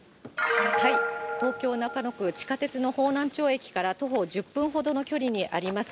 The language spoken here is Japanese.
東京・中野区、地下鉄の方南町駅から徒歩１０分ほどの距離にあります